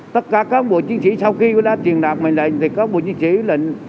tất cả cán bộ chiến sĩ sau khi đã truyền đạt bệnh lệnh thì cán bộ chiến sĩ lệnh